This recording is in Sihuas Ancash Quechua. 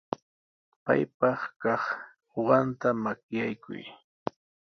Paypaq kaq uqanta makaykuy.